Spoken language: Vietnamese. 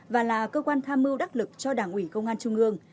và là cơ quan tham mưu đắc lực cho đảng ủy công an trung ương